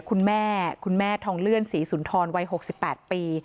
คุณแม่คุณแม่ทองเลื่อนศรีสุนทรวัย๖๘ปี